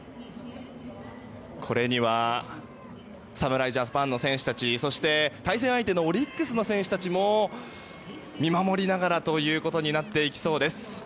これには、侍ジャパンの選手たちそして、対戦相手のオリックスの選手たちも見守りながらということになっていきそうです。